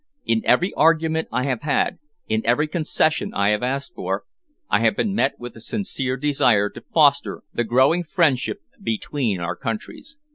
In every argument I have had, in every concession I have asked for, I have been met with a sincere desire to foster the growing friendship between our countries.